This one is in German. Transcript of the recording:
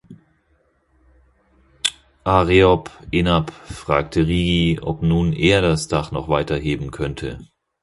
Areop-Enap fragte Rigi, ob nun er das Dach noch weiter heben könnte.